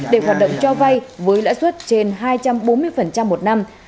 để hoạt động cho vay với lãi suất trên hai trăm bốn mươi một năm